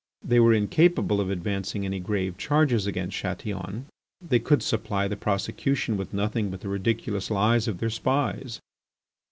They were incapable of advancing any grave charges against Chatillon. They could supply the prosecution with nothing but the ridiculous lies of their spies.